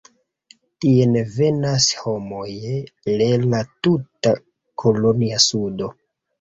Tien venas homoje le la tuta kolonja sudo.